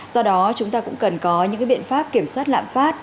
do đó chúng ta cũng cần có những biện pháp kiểm soát lạm phát